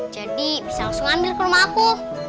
jadi bisa langsung ambil ke rumah aku